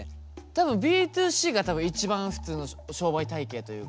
多分Ｂ２Ｃが多分一番普通の商売体系というか。